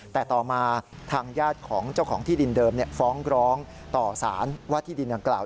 แต่ต่อมาทางญาติของเจ้าของที่ดินเดิมฟ้องร้องต่อสารว่าที่ดินดังกล่าว